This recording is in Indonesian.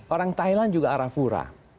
orang thailand juga arafura